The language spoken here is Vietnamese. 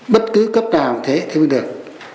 bất cứ cấp nào thế thì mới được